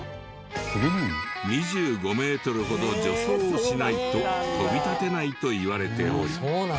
２５メートルほど助走をしないと飛び立てないといわれており。